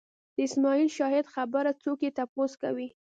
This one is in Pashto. د اسماعیل شاهد خبره څوک یې تپوس کوي